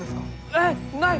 えっない！？